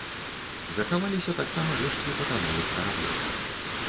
Захаваліся таксама рэшткі патанулых караблёў.